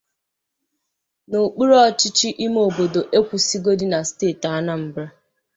n'okpuruọchịchị ime obodo Ekwusigo dị na steeti Anambra.